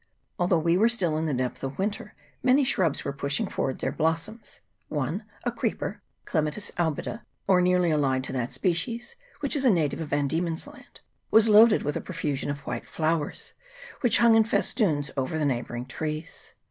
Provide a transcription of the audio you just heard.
Although we were still in the depth of winter, many shrubs were pushing forward their blossoms ; one, a creeper (Cle matis albida, or nearly allied to that species, which is a native of Van Diemen's Land), was loaded with a profusion of white flowers, which hung in festoons over the neighbouring trees.